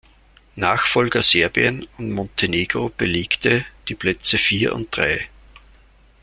Nachfolger Serbien und Montenegro belegte die Plätze vier und drei.